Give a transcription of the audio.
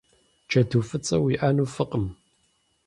Джэду фӏыцӏэ уиӏэну фӏыкъым.